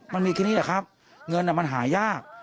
มันมีแค่นี้แหละครับเงินมันหายาก